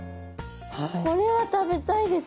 これは食べたいです。